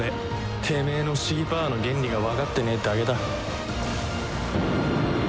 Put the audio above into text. てめえの不思議パワーの原理がわかってねえだけだ。